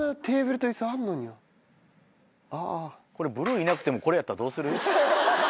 ブルーいなくてもこれやったらどうする？